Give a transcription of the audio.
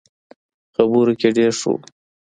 خبرو کې ډېر ښه وو.